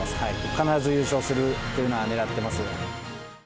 必ず優勝するっていうのは、ねらってますね。